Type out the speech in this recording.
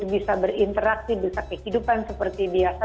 bisa berinteraksi bisa kehidupan seperti biasa